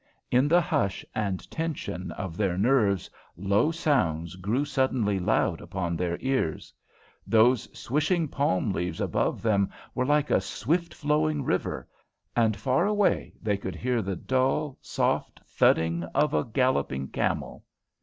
In the hush and tension of their nerves low sounds grew suddenly loud upon their ears. Those swishing palm leaves above them were like a swift flowing river, and far away they could hear the dull, soft thudding of a galloping camel.